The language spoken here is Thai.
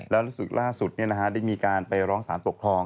แล้วรู้สึกล่าสุดได้มีการไปร้องสารปกครอง